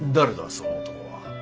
その男は。